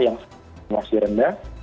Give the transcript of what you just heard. yang masih rendah